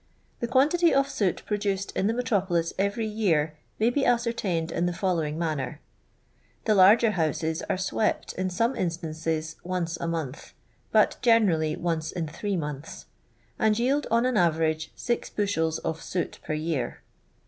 The quantity of soot produced in the metro polis every year may be ascertained in the fol lowing manner :— The larger houses are swept in some instances once a month, but generally once in three months, and yield on an average six bushels of soot per year.